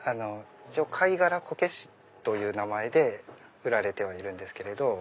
「貝殻こけし」という名前で売られてはいるんですけれど。